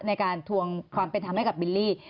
ในการทุ่งความเป็นคำสำหรับฟิลลี่